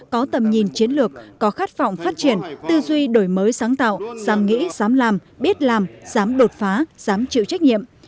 có tầm nhìn chiến lược có khát vọng phát triển tư duy đổi mới sáng tạo dám nghĩ dám làm biết làm dám đột phá dám chịu trách nhiệm